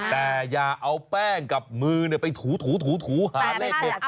แต่อย่าเอาแป้งกับมือเนี่ยไปถูหาเลขเป็นต้อง